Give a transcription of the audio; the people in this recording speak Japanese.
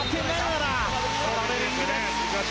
トラベリングです。